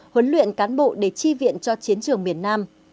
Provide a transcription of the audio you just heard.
huấn luyện cán bộ để chi viện cho chiến trường miền nam